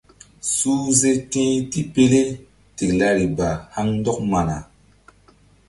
Suhze ti tipele tiklari ba haŋ ndɔk mana.